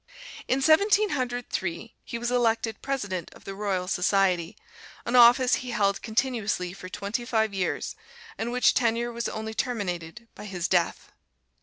In Seventeen Hundred Three he was elected President of the Royal Society, an office he held continuously for twenty five years, and which tenure was only terminated by his death.